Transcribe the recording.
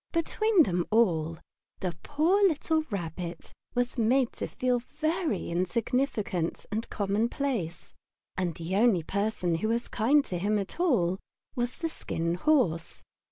Between them all the poor little Rabbit was made to feel himself very insignificant and commonplace, and the only person who was kind to him at all was the Skin Horse.